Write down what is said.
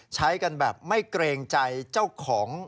ใช้กันแบบไม่เกรงใจเจ้าของ